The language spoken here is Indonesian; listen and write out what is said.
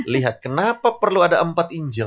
lihat kenapa perlu ada empat injil